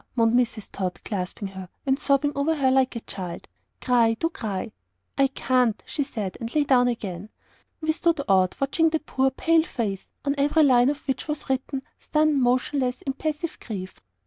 moaned Mrs. Tod, clasping her, and sobbing over her like a child. "Cry, do cry!" "I CAN'T," she said, and lay down again. We stood awed, watching that poor, pale face, on every line of which was written stunned, motionless, impassive grief.